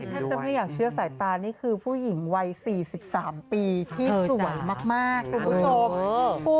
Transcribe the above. แทบจะไม่อยากเชื่อสายตานี่คือผู้หญิงวัย๔๓ปีที่สวยมากคุณผู้ชม